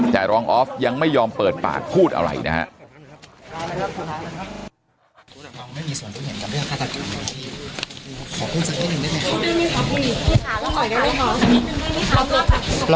แต่รองออฟยังไม่ยอมเปิดปากพูดอะไรนะครับ